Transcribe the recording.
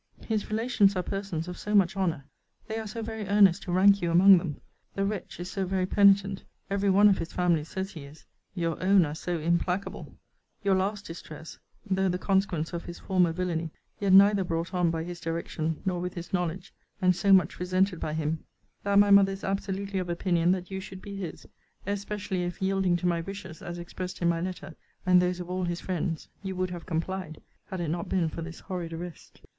His relations are persons of so much honour they are so very earnest to rank you among them the wretch is so very penitent: every one of his family says he is your own are so implacable your last distress, though the consequence of his former villany, yet neither brought on by his direction nor with his knowledge; and so much resented by him that my mother is absolutely of opinion that you should be his especially if, yielding to my wishes, as expressed in my letter, and those of all his friends, you would have complied, had it not been for this horrid arrest.